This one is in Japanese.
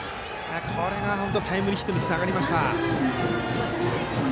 これは本当にタイムリーヒットにつながりました。